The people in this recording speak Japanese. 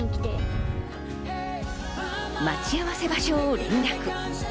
待ち合わせ場所を連絡。